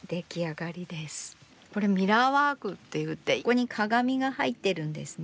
これミラーワークっていってここに鏡が入ってるんですね。